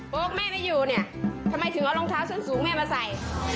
แม่ไม่อยู่เนี่ยทำไมถึงเอารองเท้าส้นสูงแม่มาใส่